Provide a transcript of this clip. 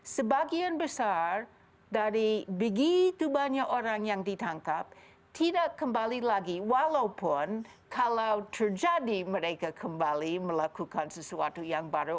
sebagian besar dari begitu banyak orang yang ditangkap tidak kembali lagi walaupun kalau terjadi mereka kembali melakukan sesuatu yang baru